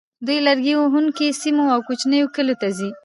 دوی لرګي وهونکو سیمو او کوچنیو کلیو ته ځي